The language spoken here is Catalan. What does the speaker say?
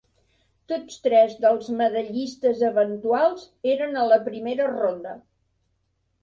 Tots tres dels medallistes eventuals eren a la primera ronda.